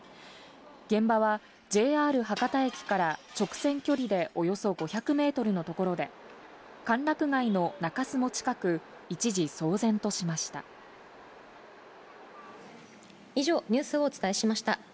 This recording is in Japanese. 現場はＪＲ博多駅から直線距離でおよそ５００メートルの所で、歓楽街の中洲も近く、一時騒然としました。